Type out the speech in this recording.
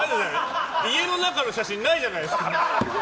家の中の写真ないじゃないですか。